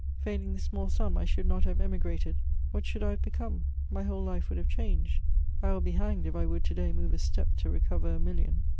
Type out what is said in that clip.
Failing this small sum, I should not have emigrated: what should I have become? My whole life would have changed. I will be hanged if I would to day move a step to recover a million.